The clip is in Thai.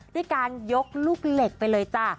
ด้วยการยกลูกเหล็กไปเลยจ้ะ